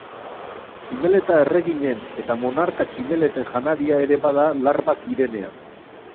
Tximeleta Erreginen eta Monarka Tximeleten janaria ere bada larbak direnean.